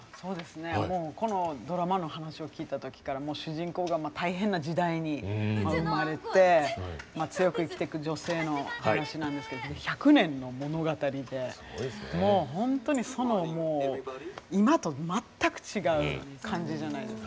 このドラマの話を聞いたときから主人公が大変な時代に生まれて強く生きていく女性の話なんですけど１００年の物語で本当に今と全く違う感じじゃないですか。